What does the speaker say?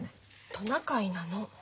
トナカイなの。